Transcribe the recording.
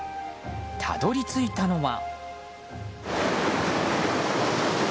たどり着いたのは。